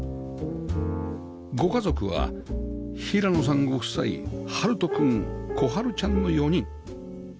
ご家族は平野さんご夫妻温人君心温ちゃんの４人